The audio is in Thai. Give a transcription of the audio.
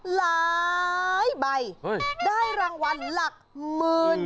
หลายใบได้รางวัลหลักหมื่น